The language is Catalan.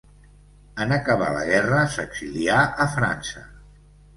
En acabar la guerra, s'exilià a França.